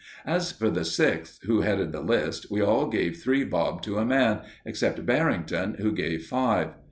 As for the Sixth, who headed the list, we all gave three bob to a man, except Barrington, who gave five.